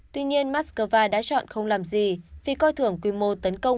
tuy nhiên moscow đã chọn không làm gì vì coi thường quy mô tấn công